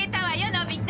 のび太！